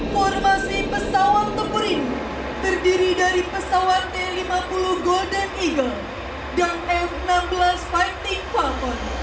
formasi pesawat tempurin terdiri dari pesawat t lima puluh golden ea dan f enam belas fighting falcon